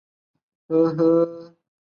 不能和他们正面冲突